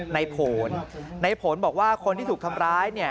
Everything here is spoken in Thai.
นายโผล่นายโผล่บอกว่าคนที่ถูกซ้ำร้ายเนี่ย